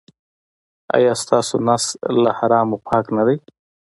ایا ستاسو نس له حرامو پاک نه دی؟